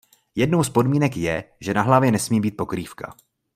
Jednou z podmínek je, že na hlavě nesmí být pokrývka.